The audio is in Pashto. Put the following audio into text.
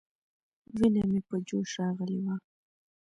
وينه مې په جوش راغلې وه.